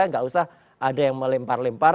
tidak usah ada yang melimpar limpar